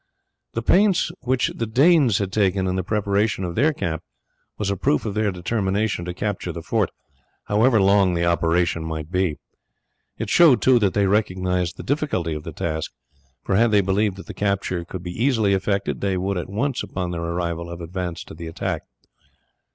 The pains which the Danes had taken in the preparation of their camp was a proof of their determination to capture the fort, however long the operation might be. It showed, too, that they recognized the difficulty of the task, for had they believed that the capture could be easily effected they would at once upon their arrival have advanced to the attack.